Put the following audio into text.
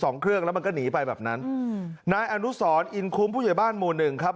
เครื่องแล้วมันก็หนีไปแบบนั้นอืมนายอนุสรอินคุ้มผู้ใหญ่บ้านหมู่หนึ่งครับ